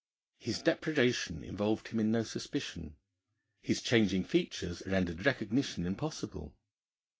His depredation involved him in no suspicion; his changing features rendered recognition impossible.